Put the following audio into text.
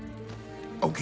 ＯＫ